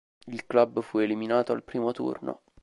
Il club fu eliminato al primo turno.